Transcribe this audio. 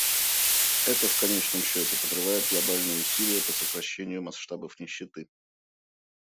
Это, в конечном счете, подрывает глобальные усилия по сокращению масштабов нищеты.